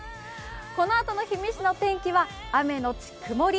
このあとの氷見市の天気は雨のち曇り。